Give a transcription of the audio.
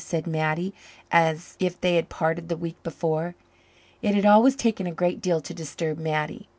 said Mattie, as if they had parted the week before. It had always taken a great deal to disturb Mattie.